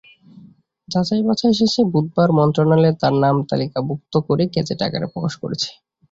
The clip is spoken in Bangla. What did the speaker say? যাচাই-বাছাই শেষে বুধবার মন্ত্রণালয় তাঁর নাম তালিকাভুক্ত করে গেজেট আকারে প্রকাশ করেছে।